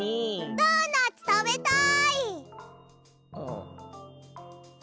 ドーナツたべたい。